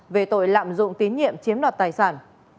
về tội lạm dụng tín nhiệm chiếm đoạt tài sản